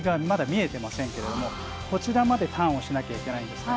まだ見えていませんがこちらまでターンをしなきゃいけない。